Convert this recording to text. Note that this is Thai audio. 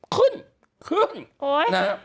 ขึ้นขึ้น